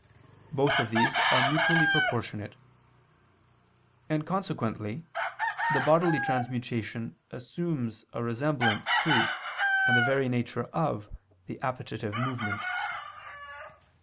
Both of these are mutually proportionate; and consequently the bodily transmutation assumes a resemblance to and the very nature of the appetitive movement.